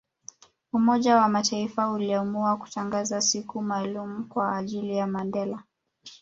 Umoja wa mataifa uliamua kutangaza siku maalumu Kwa ajili ya Mandela